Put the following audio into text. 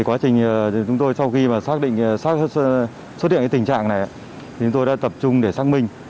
quá trình chúng tôi sau khi xuất hiện tình trạng này chúng tôi đã tập trung để xác minh